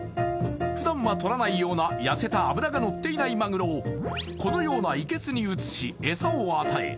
普段はとらないような痩せた脂がのっていないマグロをこのような生け簀に移し餌を与え